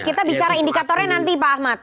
kita bicara indikatornya nanti pak ahmad